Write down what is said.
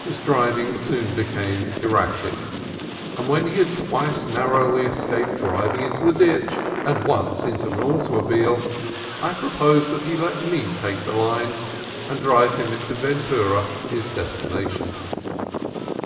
His driving soon became erratic, and when he had twice narrowly escaped driving into the ditch and once into an au tomobile, I proposed that he let me take the lines and drive him into Ventura, his destination.